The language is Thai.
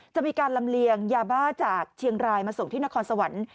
จะมีการลำเลียงยาบ้าจากเชียงรายมาส่งที่นครสวรรค์